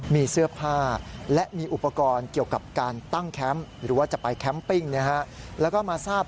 มีเสื้อผ้าและมีอุปกรณ์เกี่ยวกับการตั้งแคมป์